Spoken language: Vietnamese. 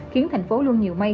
khiến thành phố luôn nhiều mây